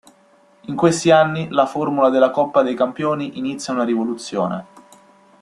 In questi anni la formula della Coppa dei Campioni inizia una rivoluzione.